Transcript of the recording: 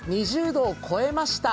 ２０度を超えました。